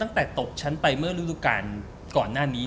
ตั้งแต่ตกฉันไปเมื่อธุรการก่อนหน้านี้นะ